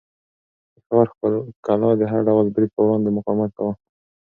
د ښار کلا د هر ډول برید په وړاندې مقاومت کاوه.